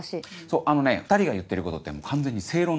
そうあのね２人が言ってることって完全に正論なんです。